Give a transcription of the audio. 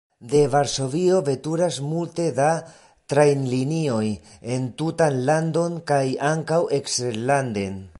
De Varsovio veturas multe da trajnlinioj en tutan landon kaj ankaŭ eksterlanden.